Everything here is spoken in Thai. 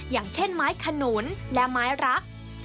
อย่างเช่นไม้ขนุนและไม้รัก